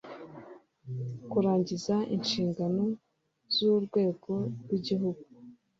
kurangiza inshingano z urwego rw igihugu